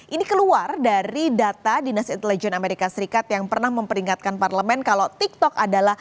ini keluar dari data dinas intelijen amerika serikat yang pernah memperingatkan parlemen kalau tiktok ini akan menjadi tanda yang terbaik di amerika serikat